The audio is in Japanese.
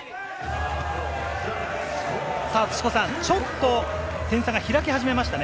ちょっと点差が開き始めましたね。